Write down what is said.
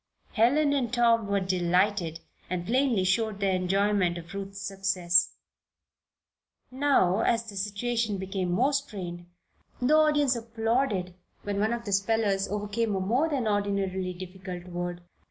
Helen and Tom were delighted and plainly showed their enjoyment of Ruth's success. Now, as the situation became more strained, the audience applauded when one of the spellers overcame a more than ordinarily difficult word.